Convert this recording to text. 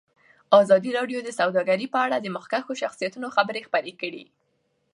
ازادي راډیو د سوداګري په اړه د مخکښو شخصیتونو خبرې خپرې کړي.